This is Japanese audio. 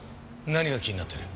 何が気になってる？